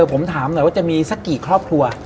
ผมถามหน่อยว่าจะมีสักกี่ครอบครัว